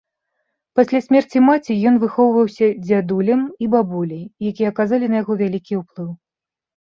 Пасля смерці маці ён выхоўваўся дзядулем і бабуляй, якія аказалі на яго вялікі ўплыў.